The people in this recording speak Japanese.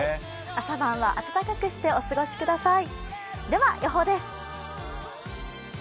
朝晩は暖かくしてお過ごしください。